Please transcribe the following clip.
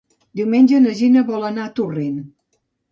Diumenge na Gina vol anar a Torrent.